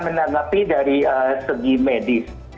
menanggapi dari segi medis